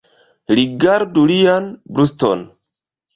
Rigardu lian bruston.